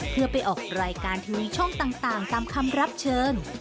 เพื่อไปออกรายการทีวีช่องต่างตามคำรับเชิญ